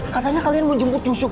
katanya kalian mau jemput jusuk